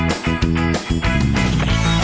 แม่บ้านพระจันทร์บ้าน